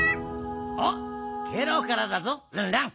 おっケロからだぞルンルン。